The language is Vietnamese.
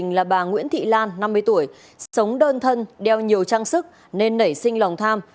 là bà nguyễn thị lan năm mươi tuổi sống đơn thân đeo nhiều trang sức nên nảy sinh lòng tham